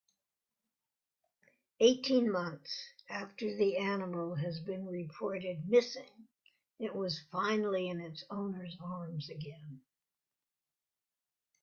Eighteen months after the animal has been reported missing it was finally in its owner's arms again.